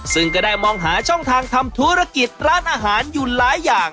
ซึ่งก็ได้มองหาช่องทางทำธุรกิจร้านอาหารอยู่หลายอย่าง